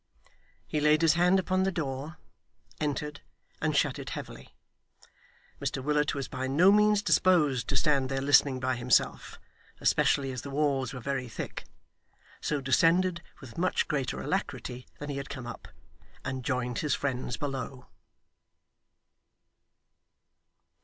He laid his hand upon the door, entered, and shut it heavily. Mr Willet was by no means disposed to stand there listening by himself, especially as the walls were very thick; so descended, with much greater alacrity than he had come up, and joined his friends below.